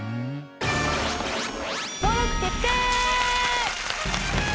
登録決定！